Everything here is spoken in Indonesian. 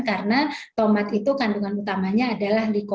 karena tomat itu kandungan utamanya adalah